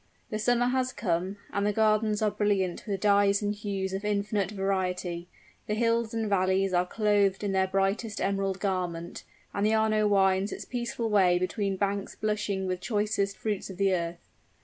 The summer has come, and the gardens are brilliant with dyes and hues of infinite variety; the hills and the valleys are clothed in their brightest emerald garment and the Arno winds its peaceful way between banks blushing with choicest fruits of the earth.